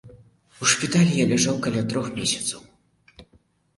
У шпіталі я ляжаў каля трох месяцаў.